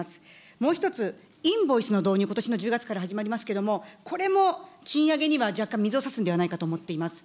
もう一つ、インボイスの導入、ことしの１０月から始まりますけれども、これも、賃上げには若干水をさすんではないかと思っています。